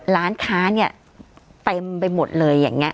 ร้านค้าเนี่ยเต็มไปหมดเลยอย่างนี้